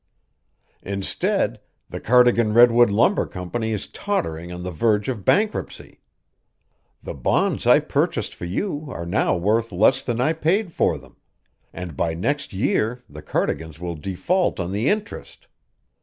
Instead, the Cardigan Redwood Lumber Company is tottering on the verge of bankruptcy; the bonds I purchased for you are now worth less than I paid for them, and by next year the Cardigans will default on the interest.